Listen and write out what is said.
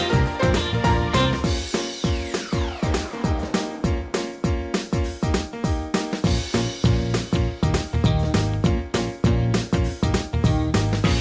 สับปะรสหันยังไงเชฟต้องทำให้ดูก่อน